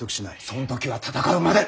その時は戦うまで。